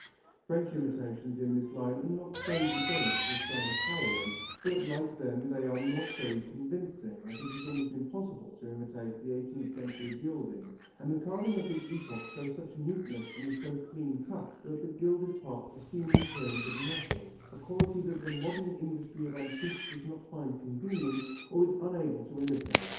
French imitations in this line are not so debased as some Italian, but like them they are not very convincing, as it is almost impossible to imitate the French eighteenth century gilding, and the carving of this epoch shows such neatness and is so clean cut that the gilded parts assume an appearance of metal, a quality that the modern industry of antiques does not find convenient or is unable to imitate.